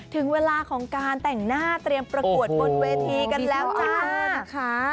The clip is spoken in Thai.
ถึงเวลาของการแต่งหน้าเตรียมประกวดบนเวทีกันแล้วจ้านะคะ